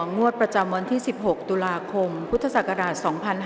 งวดประจำวันที่๑๖ตุลาคมพุทธศักราช๒๕๕๙